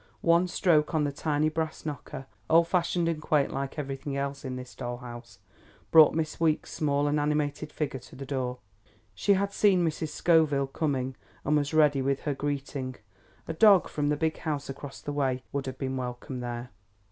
One stroke on the tiny brass knocker, old fashioned and quaint like everything else in this doll house, brought Miss Weeks' small and animated figure to the door. She had seen Mrs. Scoville coming, and was ready with her greeting. A dog from the big house across the way would have been welcomed there.